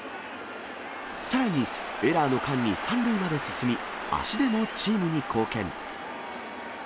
さらに、エラーの間に３塁まで進み、足でもチームに貢献。